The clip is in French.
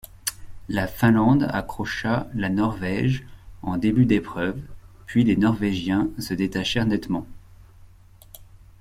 La Finlande accrocha la Norvège en début d'épreuve, puis les Norvégiens se détachèrent nettement.